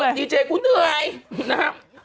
สะดุ้งเลยอ๋อดีเจกูเหนื่อยนะครับ